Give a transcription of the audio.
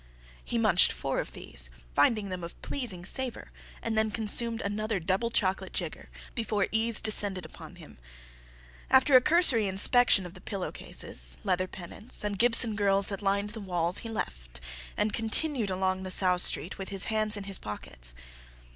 He munched four of these, finding them of pleasing savor, and then consumed another double chocolate jigger before ease descended upon him. After a cursory inspection of the pillow cases, leather pennants, and Gibson Girls that lined the walls, he left, and continued along Nassau Street with his hands in his pockets.